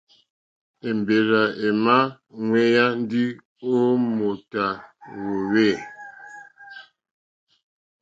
Èmbèrzà èmà ŋwěyá ndí ó mòtà hwòhwê.